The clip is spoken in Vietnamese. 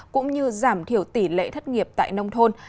cũng như giảm thiểu tỷ lệ thất nghiệp tại nông thôn